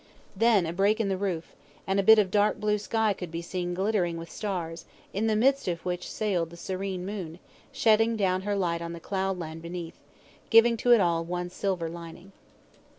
Then a break in the woof, and a bit of dark blue sky could be seen glittering with stars, in the midst of which sailed the serene moon, shedding down her light on the cloudland beneath, giving to it all, one silver lining.